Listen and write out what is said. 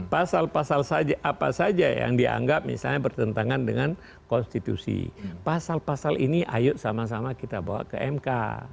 pasal pasal apa saja yang dianggap misalnya bertentangan dengan konstitusi pasal pasal ini ayo sama sama kita bawa ke mk